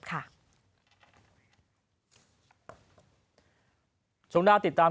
ครับ